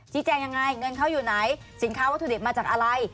แจ้งยังไงเงินเขาอยู่ไหนสินค้าวัตถุดิบมาจากอะไร